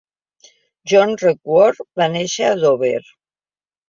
John Redwood va néixer a Dover.